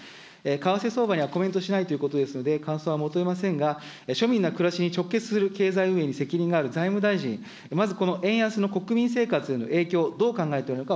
為替相場にはコメントしないということですので、感想は求めませんが、庶民の暮らしに直結する経済運営に責任がある財務大臣、まずこの円安の国民生活への影響、どう考えておられるのか、